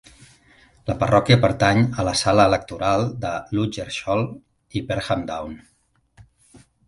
La parròquia pertany a la sala electoral de "Ludgershall i Perham Down".